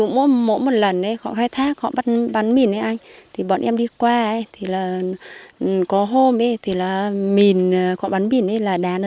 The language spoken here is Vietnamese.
nên buộc người dân